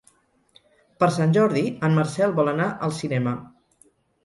Per Sant Jordi en Marcel vol anar al cinema.